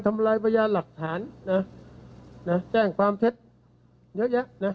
ทำลายพยานหลักฐานนะนะแจ้งความเท็จเยอะแยะนะ